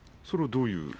それはどういう？